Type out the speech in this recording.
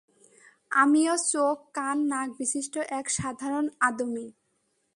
আমিও চোখ, কান, নাক বিশিষ্ট এক সাধারণ আদমি।